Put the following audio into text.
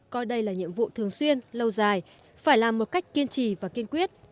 coi đây là nhiệm vụ thường xuyên lâu dài phải làm một cách kiên trì và kiên quyết